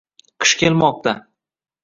Qish kelmoqda